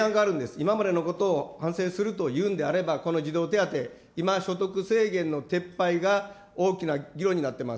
今までのことを反省するというんであれば、この児童手当、今、所得制限の撤廃が大きな議論になってます。